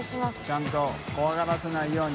ちゃんと怖がらせないように。